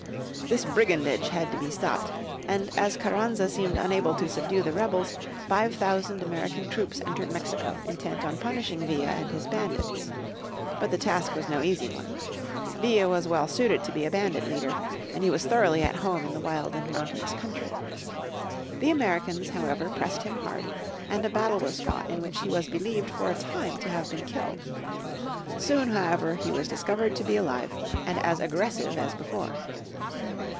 This brigandage had to be stopped, and, as Carranza seemed unable to subdue the rebels, five thousand American troops entered Mexico intent on punishing Villa and his bandits. But the task was no easy one. Villa was well suited to be a bandit leader, and he was thoroughly at home in the wild and mountainous country. The Americans, however, pressed him hard, and a battle was fought in which he was believed for a time to have been killed. Soon, however, he was discovered to be alive, and as aggressive as before.